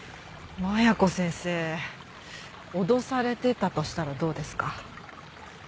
麻弥子先生脅されてたとしたらどうですか？